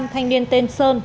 năm thanh niên tên sơn